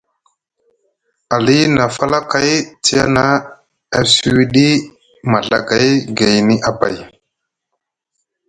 Ali na falakay tiyana e sûwiɗi maɵagay gayni abay.